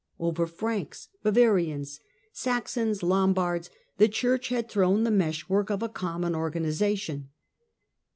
Over Franks, Bavarians, Saxons, Lombards, the Church had thrown the mesh work of a common organisation.